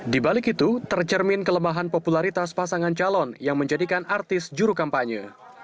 di balik itu tercermin kelemahan popularitas pasangan calon yang menjadikan artis juru kampanye